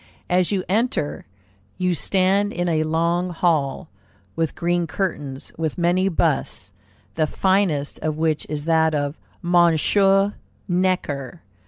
As you enter, you stand in a long hall, with green curtains, with many busts, the finest of which is that of Monsieur Necker.